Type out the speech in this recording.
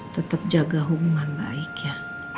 tetap jaga hubungan baik ya